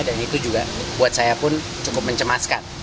dan itu juga buat saya pun cukup mencemaskan